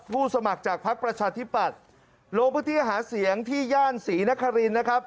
ผู้สมัครจากภาคประชาธิบัติโลกประเภทที่หาเสียงที่ย่านศรีนครินต์นะครับ